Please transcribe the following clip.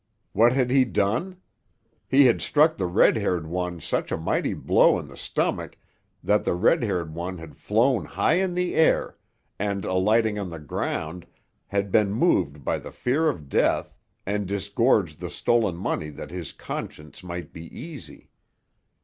What had he done? He had struck the red haired one such a mighty blow in the stomach that the red haired one had flown high in the air, and alighting on the ground had been moved by the fear of death and disgorged the stolen money that his conscience might be easy.